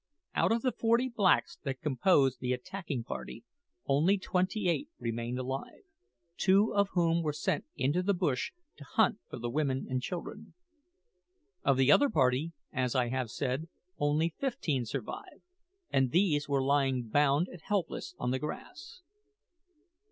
Out of the forty blacks that composed the attacking party only twenty eight remained alive, two of whom were sent into the bush to hunt for the women and children. Of the other party, as I have said, only fifteen survived, and these were lying bound and helpless on the grass.